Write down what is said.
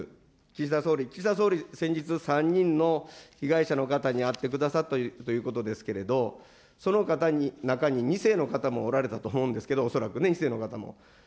岸田総理、岸田総理、先日３人の被害者の方に会ってくださったということですけれども、その方の中に２世の方もおられたと思うんですけど、恐らく２世の方も。